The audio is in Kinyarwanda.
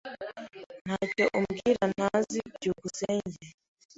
Ntacyo umbwira ntazi. byukusenge